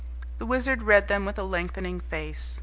The Wizard read them with a lengthening face.